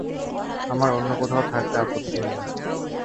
আমার অন্য কোথাও থাকতে আপত্তি নেই।